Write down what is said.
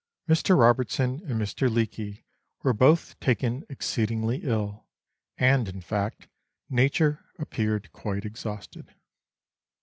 Mr. Robertson and Mr. Leake were both taken exceedingly ill, and, in fact, nature appeared quite exhausted.